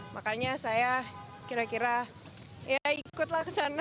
makanya saya kira kira ya ikutlah kesana